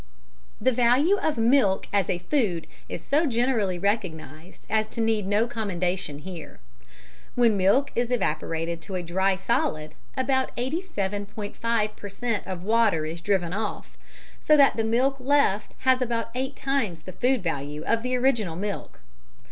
_ The value of milk as a food is so generally recognised as to need no commendation here. When milk is evaporated to a dry solid, about 87.5 per cent. of water is driven off, so that the dry milk left has about eight times the food value of the original milk.